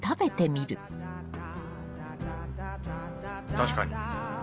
確かに。